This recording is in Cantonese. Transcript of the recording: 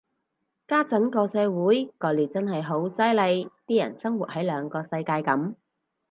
家陣個社會割裂真係好犀利，啲人生活喺兩個世界噉